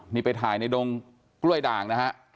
นี่ไปถ่ายในดงกล้วยด่างนะฮะ